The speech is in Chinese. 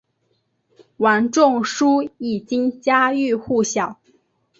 王仲殊已经家喻户晓。